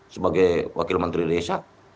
sebagai wakil menteri desa